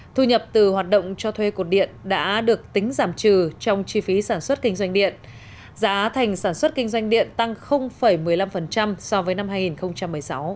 thu nhập từ hoạt động cho thuê cột điện đã được tính giảm trừ trong chi phí sản xuất kinh doanh điện giá thành sản xuất kinh doanh điện tăng một mươi năm so với năm hai nghìn một mươi sáu